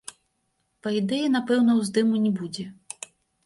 Па ідэі, напэўна ўздыму не будзе.